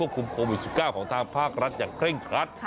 ของทางภาครัฐอย่างเคร่งครัด